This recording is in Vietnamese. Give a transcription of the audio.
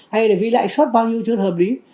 hay là vì lại xót bao nhiêu chứ không hợp lý